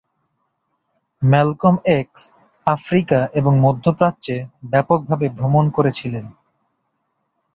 Malcolm X Africa এবং মধ্যপ্রাচ্যে ব্যাপকভাবে ভ্রমণ করে ছিলেন।